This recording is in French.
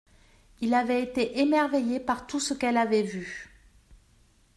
Il avait été émerveillé par tout ce qu’elle avait vu.